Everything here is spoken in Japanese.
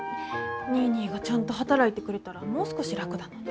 ニーニーがちゃんと働いてくれたらもう少し楽だのに。